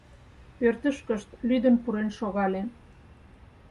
Пӧртышкышт лӱдын пурен шогале.